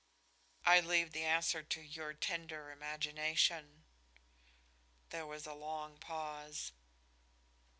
"I leave the answer to your tender imagination." There was a long pause.